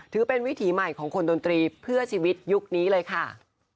ถือเป็นวิถีใหม่ของคนดนตรีเพื่อชีวิตยุคนี้เลยค่ะ